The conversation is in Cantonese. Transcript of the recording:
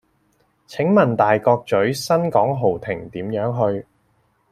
請問大角嘴新港豪庭點樣去?